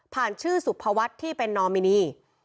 ชื่อสุภวัฒน์ที่เป็นนอมินี